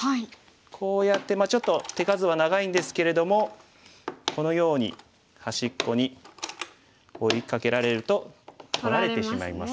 こうやってちょっと手数は長いんですけれどもこのように端っこに追いかけられると取られてしまいます。